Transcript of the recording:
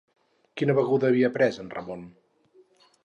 Quina beguda havia pres en Ramon?